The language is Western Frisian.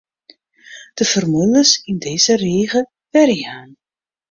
De formules yn dizze rige werjaan.